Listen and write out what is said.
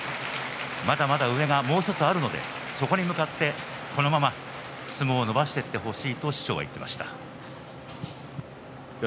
まだまだ上がもう１つがあるのでそこに向かってこのまま相撲を伸ばしていってほしいと師匠は言っていました。